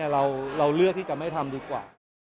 เราเลือกที่จะไม่ทำดีกว่า